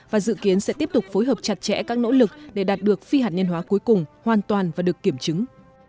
và dự kiến sẽ tiếp tục phối hợp chặt chẽ các nỗ lực để đạt được phi hạt nhân hóa cuối cùng hoàn toàn và được kiểm chứng